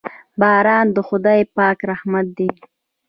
باران د خداے پاک رحمت دے